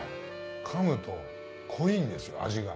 噛むと濃いんです味が。